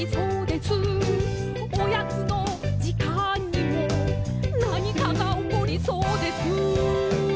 「おやつのじかんにもなにかがおこりそうです」